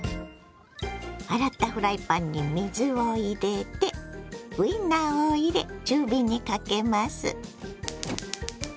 洗ったフライパンに水を入れてウインナーを入れ中火にかけます。